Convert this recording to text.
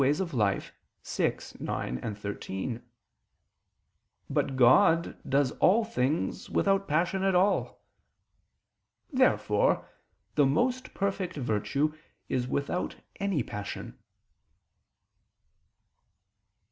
vi, xi, xiii). But God does all things without passion at all. Therefore the most perfect virtue is without any passion.